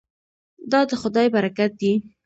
دا د خدای برکت دی.